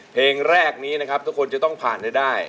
เพลงแรกนี้ทุกคนจะต้องผ่านได้